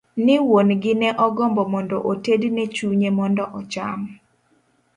Ni wuon gi ne ogombo mondo otedne chunye mondo ocham.